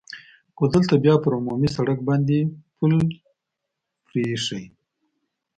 خو دلته یې بیا پر عمومي سړک باندې پل پرې اېښی.